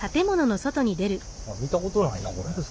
見たことないなこれ。